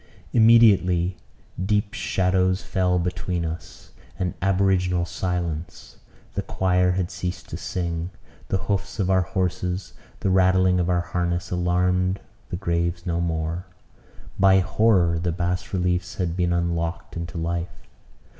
Immediately deep shadows fell between us, and aboriginal silence. The choir had ceased to sing. The hoofs of our horses, the rattling of our harness, alarmed the graves no more. By horror the bas relief had been unlocked into life.